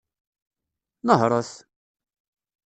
Nehṛet!